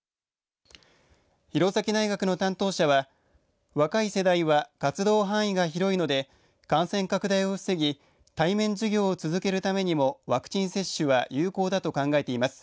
弘前大学の担当者は若い世代は活動範囲が広いので感染拡大を防ぎ対面授業を続けるためにもワクチン接種は有効だと考えています。